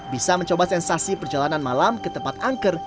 bisa mencoba sensasi perjalanan malam ke tempat angker